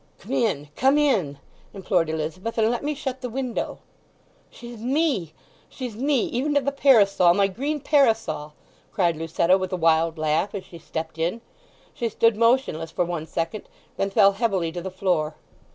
"Come in, come in," implored Elizabeth; "and let me shut the window!" "She's me—she's me—even to the parasol—my green parasol!" cried Lucetta with a wild laugh as she stepped in. She stood motionless for one second—then fell heavily to the floor.